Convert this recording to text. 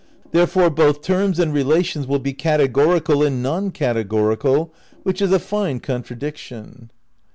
Therefore both terms and relations will be categorial and non categorial, which is a fine contradiction.